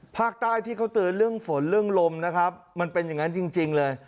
ภาคใต้ที่เขาเตือนเรื่องฝนเรื่องลมนะครับมันเป็นอย่างนั้นจริงเลย